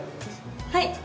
はい！